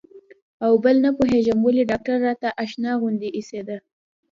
او بل نه پوهېږم ولې ډاکتر راته اشنا غوندې اېسېده.